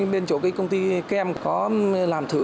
bên chỗ công ty kem có làm thử